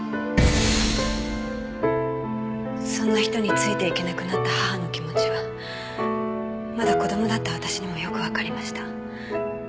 そんな人についていけなくなった母の気持ちはまだ子供だった私にもよくわかりました。